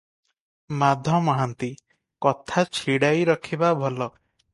ମାଧ ମହାନ୍ତି- କଥା ଛିଡ଼ାଇ ରଖିବା ଭଲ ।